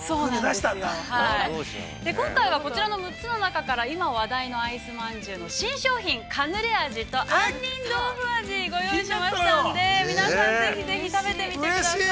今回は、こちらの６つの中から今話題のあいすまんじゅうの新商品、カヌレ味と杏仁豆腐味をご用意しましたんで、皆さん、ぜひぜひ食べてみてください。